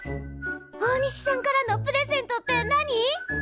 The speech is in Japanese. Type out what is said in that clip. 大西さんからのプレゼントって何？